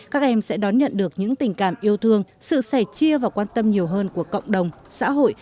các em sẽ đón nhận được những tình cảm yêu thương sự sẻ chia và quan tâm nhiều hơn của cộng đồng xã hội